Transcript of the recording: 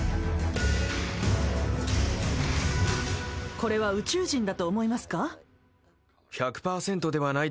これは宇宙人だと思いますか？